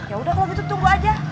yaudah kalau gitu tunggu aja